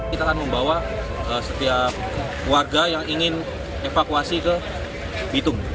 kita akan membawa setiap warga yang ingin evakuasi ke bitung